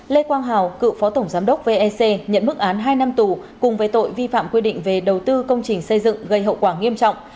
lê quang hào cựu phó tổng giám đốc vec nhận mức án hai năm tù cùng với tội vi phạm quy định về đầu tư công trình xây dựng gây hậu quả nghiêm trọng